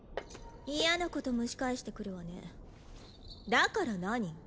嫌なこと蒸し返してくるわねだから何？